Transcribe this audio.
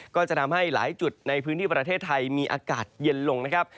ก็จะทำให้หลายจุดในพื้นที่ประเทศไทยมีอากาศเย็นลงนะครับ